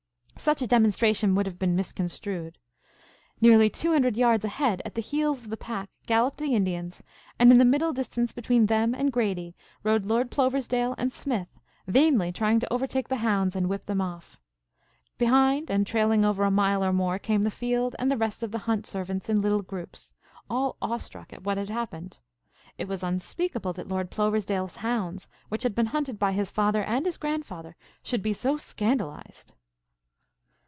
Such a demonstration would have been misconstrued. Nearly two hundred yards ahead at the heels of the pack galloped the Indians, and in the middle distance between them and Grady rode Lord Ploversdale and Smith vainly trying to overtake the hounds and whip them off. Behind and trailing over a mile or more came the field and the rest of the hunt servants in little groups, all awestruck at what had happened. It was unspeakable that Lord Ploversdale's hounds, which had been hunted by his father and his grandfather, should be so scandalized.